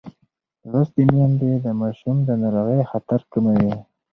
لوستې میندې د ماشوم د ناروغۍ خطر کموي.